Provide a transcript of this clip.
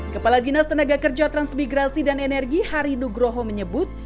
kepala dinas tenaga kerja transmigrasi dan energi hari nugroho menyebut